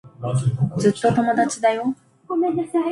ずっと友達だよ。